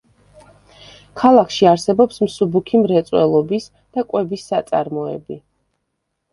ქალაქში არსებობს მსუბუქი მრეწველობის და კვების საწარმოები.